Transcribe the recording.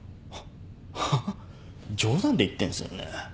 ハハ冗談で言ってんすよね？